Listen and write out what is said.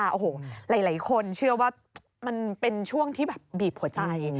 โอ้โหหลายคนเชื่อว่ามันเป็นช่วงที่แบบบีบหัวใจ